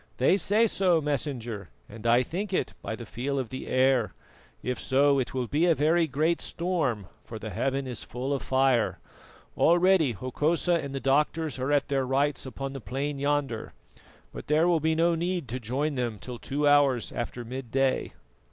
"They say so, Messenger, and I think it by the feel of the air. If so, it will be a very great storm, for the heaven is full of fire. Already Hokosa and the doctors are at their rites upon the plain yonder, but there will be no need to join them till two hours after midday."